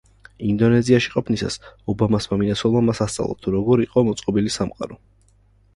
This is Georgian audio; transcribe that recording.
ინდონეზიაში ყოფნისას, ობამას მამინაცვალმა მას „ასწავლა, თუ როგორ იყო მოწყობილი სამყარო“.